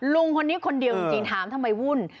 ลุงคนนี้คนเดียวจริงถามทำไมวุ่น